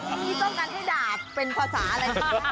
อันนี้ต้องการให้ด่าเป็นภาษาอะไร